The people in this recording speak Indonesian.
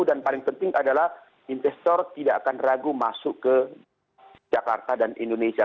dan paling penting adalah investor tidak akan ragu masuk ke jakarta dan indonesia